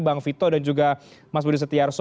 bang vito dan juga mas budi setiarso